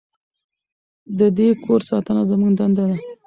د دې کور ساتنه زموږ دنده ده.